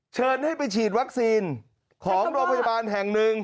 เชิญให้ไปฉีดวัคซีนของโรงพยาบาลแห่งหนึ่ง